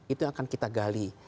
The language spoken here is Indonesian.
itu akan kita gali